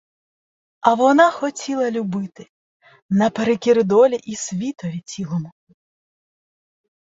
А вона хотіла любити, наперекір долі і світові цілому.